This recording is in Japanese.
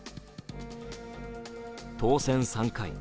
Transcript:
当選３回。